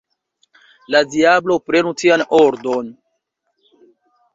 La diablo prenu tian ordon!